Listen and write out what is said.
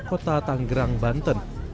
kota tanggerang banten